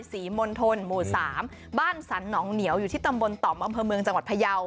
มณฑลหมู่๓บ้านสรรหนองเหนียวอยู่ที่ตำบลต่อมอำเภอเมืองจังหวัดพยาว